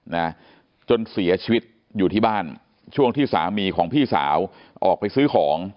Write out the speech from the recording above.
นะจนเสียชีวิตอยู่ที่บ้านช่วงที่สามีของพี่สาวออกไปซื้อของ